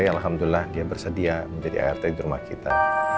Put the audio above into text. alhamdulillah dia bersedia menjadi art di rumah kita